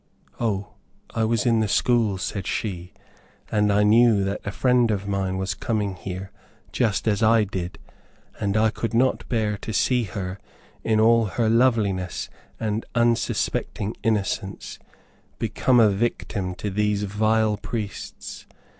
"O, I was in the school," said she, "and I knew that a friend of mine was coming here just as I did; and I could not bear to see her, in all her loveliness and unsuspecting innocence, become a victim to these vile priests.